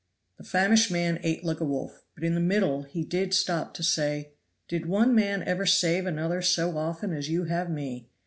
The famished man ate like a wolf; but in the middle he did stop to say, "Did one man ever save another so often as you have me!